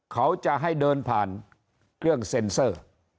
เขาจะให้เดินผ่านเครื่องเซ็นเซอร์